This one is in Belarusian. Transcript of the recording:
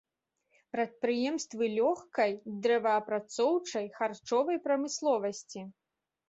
Прадпрыемствы лёгкай, дрэваапрацоўчай, харчовай прамысловасці.